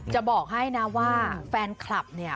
จะบอกให้นะว่าแฟนคลับเนี่ย